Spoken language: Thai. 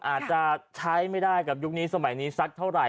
อาจจะใช้ไม่ได้กับยุคนี้สมัยนี้สักเท่าไหร